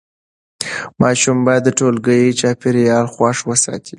ماشوم باید د ټولګي چاپېریال خوښ وساتي.